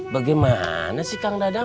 bagaimana sih kang dadang